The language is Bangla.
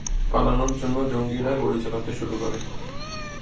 পালানোর জন্য জঙ্গিরা গুলি চালাতে শুরু করে।